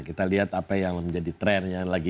kita lihat apa yang menjadi trennya lagi